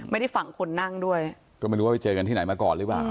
ฝั่งคนนั่งด้วยก็ไม่รู้ว่าไปเจอกันที่ไหนมาก่อนหรือเปล่า